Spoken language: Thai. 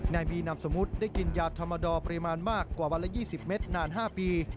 นายบีนามสมมุติได้กินยาธรรมดอร์ปริมาณมากกว่าวันละ๒๐เมตรนาน๕ปี